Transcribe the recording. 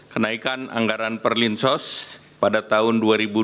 kenaikan anggaran perlinsos pada tahun dua ribu dua puluh